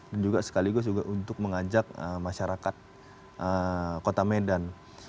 dan juga sekaligus untuk mengajak masyarakat kota medan